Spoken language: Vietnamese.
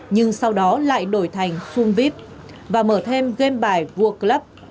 nhưng sau đó lại đổi thành sun vip và mở thêm game bài vuclub